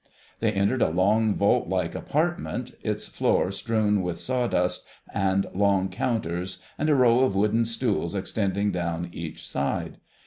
They entered a long vault like apartment, its floor strewn with sawdust and long counters and a row of wooden stools extending down each side.